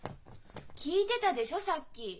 聞いてたでしょさっき。